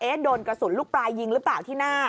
โดนกระสุนลูกปลายยิงหรือเปล่าที่หน้า